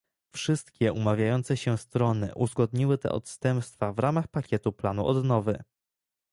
Wszystkie umawiające się strony uzgodniły te odstępstwa w ramach pakietu planu odnowy